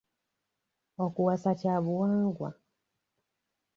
Okuwasa kya buwangwa.